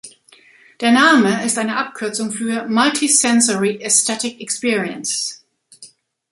Der Name ist eine Abkürzung für "Multi-sensory Aesthetic Experience".